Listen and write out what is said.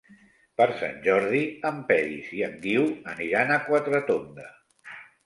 Per Sant Jordi en Peris i en Guiu aniran a Quatretonda.